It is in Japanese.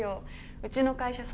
うちの会社さ